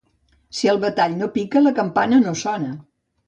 Si el batall no pica, la campana no sona.